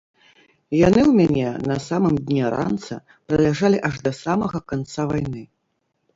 Яны ў мяне, на самым дне ранца, праляжалі аж да самага канца вайны.